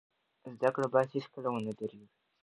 زده کړه باید هیڅکله ونه دریږي.